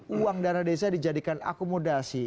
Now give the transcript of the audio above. uang dana desa dijadikan akomodasi